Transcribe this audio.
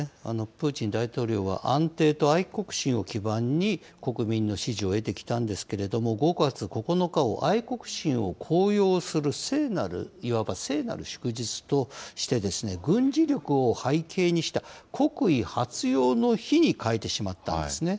プーチン大統領は安定と愛国心を基盤に、国民の支持を得てきたんですけれども、５月９日を愛国心を高揚するいわば聖なる祝日として、軍事力を背景にした国威発揚の日に変えてしまったんですね。